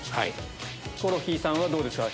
ヒコロヒーさんはどうですか？